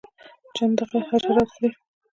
چنډخه حشرات خوري